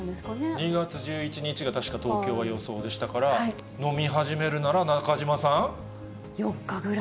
２月１１日が確か東京は予想でしたから、飲み始めるなら、４日ぐらい？